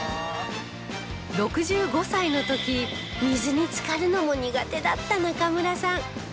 ６５歳の時水に浸かるのも苦手だった中村さん